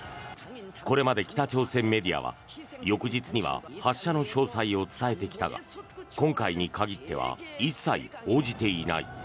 これまで北朝鮮メディアは翌日には発射の詳細を伝えてきたが今回に限っては一切報じていない。